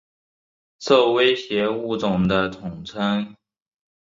受威胁物种的统称。